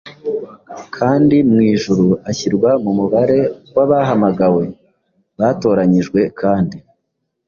kandi mu ijuru ashyirwa mu mubare w’ “abahamagawe, batoranyijwe kandi